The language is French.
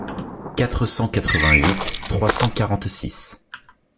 quatre cent quatre-vingt-huit trois cent quarante-six.